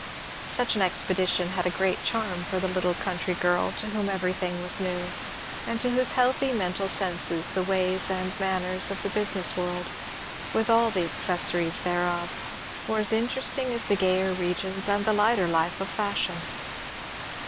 Such an expedition had a great charm for the little country girl, to whom everything was new, and to whose healthy mental senses the ways and manners of the business world, with all the accessories thereof, were as interesting as the gayer regions and the lighter life of fashion.